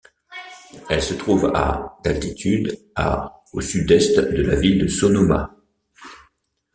Elle se trouve à d'altitude, à au sud-est de la ville de Sonoma.